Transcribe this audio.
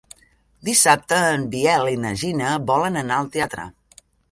Dissabte en Biel i na Gina volen anar al teatre.